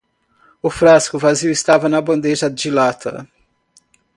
O frasco vazio estava na bandeja de lata.